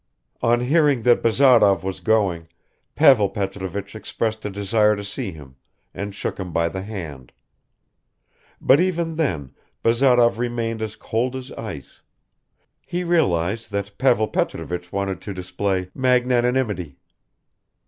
On hearing that Bazarov was going, Pavel Petrovich expressed a desire to see him and shook him by the hand. But even then Bazarov remained as cold as ice; he realized that Pavel Petrovich wanted to display magnanimity.